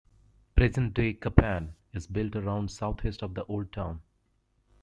Present-day Kapan is built around southeast of the old town.